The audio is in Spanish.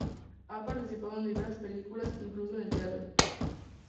Ha participado en diversas películas incluso en el teatro.